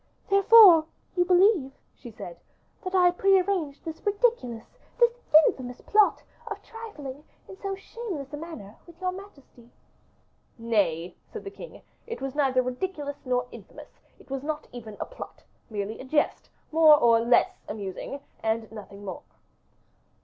"Therefore, you believe," she said, "that I pre arranged this ridiculous, this infamous plot, of trifling, in so shameless a manner, with your majesty." "Nay," said the king, "it was neither ridiculous nor infamous; it was not even a plot; merely a jest, more or less amusing, and nothing more."